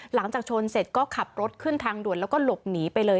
หลังจากชนเสร็จก็ขับรถขึ้นทางด่วนแล้วก็หลบหนีไปเลย